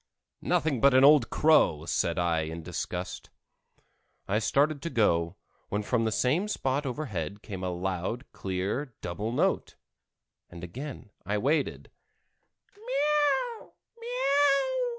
"Nothing but an old crow," said I in disgust. I started to go, when from the same spot overhead came a loud, clear double note, and again I waited.